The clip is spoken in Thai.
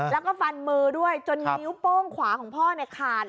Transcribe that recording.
แล้วก็ฟันมือด้วยจนนิ้วโป้งขวาของพ่อเนี่ยขาด